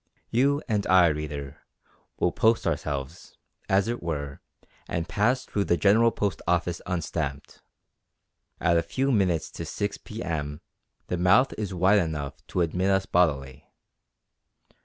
You and I, reader, will post ourselves, as it were, and pass through the General Post Office unstamped. At a few minutes to six p.m. the mouth is wide enough to admit us bodily.